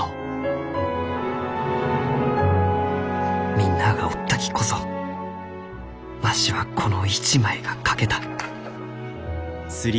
みんなあがおったきこそわしはこの一枚が描けた。